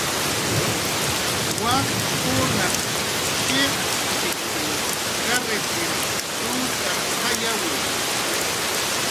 Wakkunaq shiq'shichw karritir krusarqayawi